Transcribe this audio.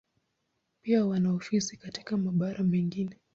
Pia wana ofisi katika mabara mengine.